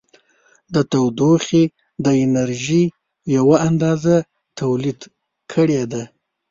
د تودوخې د انرژي یوه اندازه تولید کړې ده.